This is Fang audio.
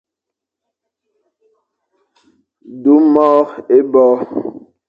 Du môr ébo.